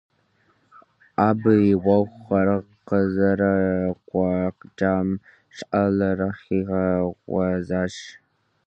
- Абы и Ӏуэхухэр къызэрекӀуэкӀам щӏалэр хигъэгъуэзащ.